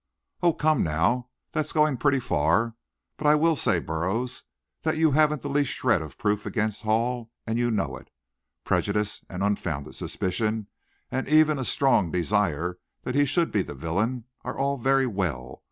"Oh, come, now, that's going pretty far; but I will say, Burroughs, that you haven't the least shred of proof against Hall, and you know it. Prejudice and unfounded suspicion and even a strong desire that he should be the villain, are all very well.